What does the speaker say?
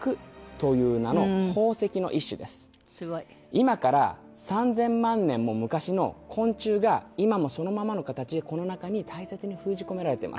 今から３０００万年も昔の昆虫が今もそのままの形でこの中に大切に封じ込められています。